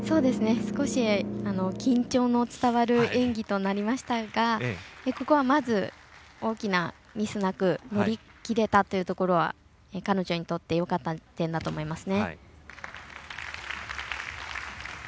少し緊張の伝わる演技となりましたがここは、まず大きなミスなく乗り切れたというところは彼女にとってよかった点だと思います。